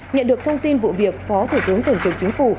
nhận được thông tin vụ việc phó thủ tướng thường trưởng chính phủ